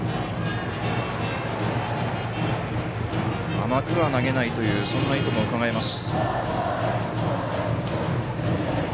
甘くは投げないというそんな意図もうかがえます。